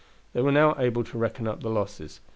They were now able to reckon up the losses.